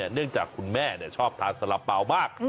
เนื่องจากคุณแม่ชอบทานสละเป๋ามาก